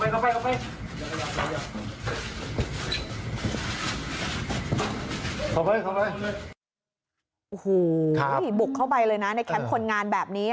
มาทุกคนของที่ต้องใส่หนึ่งหนึ่งสองหรือสี่